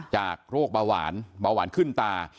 โรคเบาหวานเบาหวานขึ้นตา